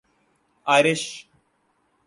Irish